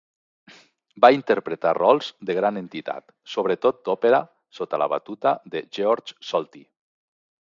Va interpretar rols de gran entitat, sobretot d'òpera sota la batuta de Georg Solti.